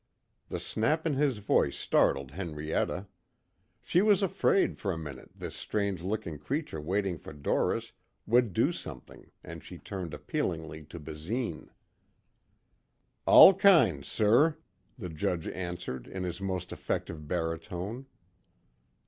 The snap in his voice startled Henrietta. She was afraid for a minute this strange looking creature waiting for Doris would do something and she turned appealingly to Basine. "All kinds, sir," the judge answered in his most effective baritone.